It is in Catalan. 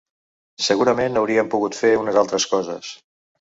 Segurament hauríem pogut fer unes altres coses.